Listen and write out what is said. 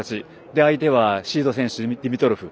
相手はシード選手、ディミトロフ。